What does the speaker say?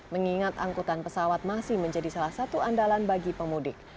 mengingat angkutan pesawat masih menjadi salah satu andalan bagi pemudik